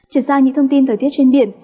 chuyển sang những thông tin thời tiết trên biển